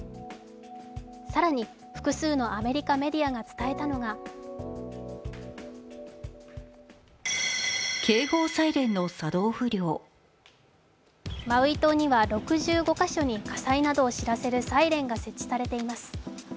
更に複数のアメリカメディアが伝えたのがマウイ島には６５か所に火災などを知らせるサイレンが設置されています。